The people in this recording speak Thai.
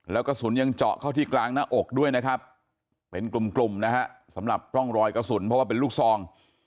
แล้วกระสุนยังเจาะเข้าที่กลางหน้าอกด้วยนะครับเป็นกลุ่มนะฮะสำหรับร่องรอยกระสุนเพราะว่าเป็นลูกซอง